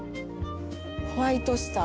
ホワイトスター。